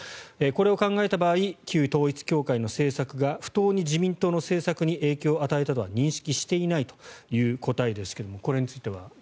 これを考えた場合旧統一教会の政策が不当に自民党の政策に影響を与えたとは認識していないという答えですがこれについては。